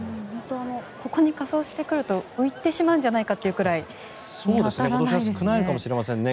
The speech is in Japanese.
ここに仮装してくると浮いてしまうんじゃないかっていうくらい少ないかもしれませんね。